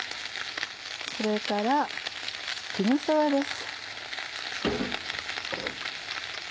それから絹さやです。